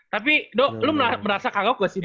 tapi do lu merasa kagau gak sih do